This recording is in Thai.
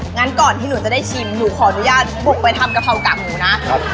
งั้นก่อนที่หนูจะได้ชิมหนูขออนุญาตบุกไปทำกะเพรากากหมูนะครับ